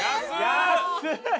安い！